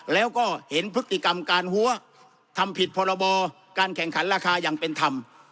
แล้วก็เห็นพฤติกรรมการหัวทำผิดพรบการแข่งขันราคาอย่างเป็นธรรม